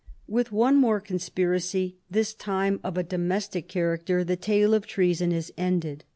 With one more conspirac}', this time of a domestic 184 CHARLEMAGNE. character, the tale of treason is ended.